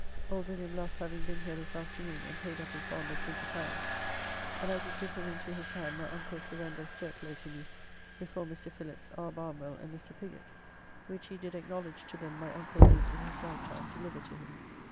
Old William Luffe having been here this afternoon and paid up his bond of L20, and I did give him into his hand my uncle's surrender of Sturtlow to me before Mr. Philips, R. Barnwell, and Mr. Pigott, which he did acknowledge to them my uncle did in his lifetime deliver to him.